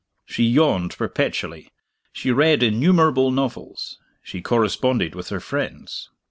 She yawned perpetually; she read innumerable novels; she corresponded with her friends.